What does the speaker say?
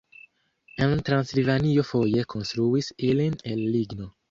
En Transilvanio foje konstruis ilin el ligno.